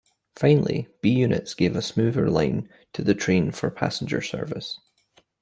Finally, B units gave a smoother line to the train for passenger service.